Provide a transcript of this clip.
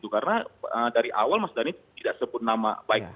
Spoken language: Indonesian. karena dari awal mas dhani tidak sebut nama baik